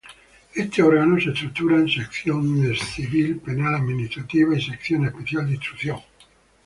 Este órgano se estructura en secciones civil, penal, administrativa y sección especial de instrucción.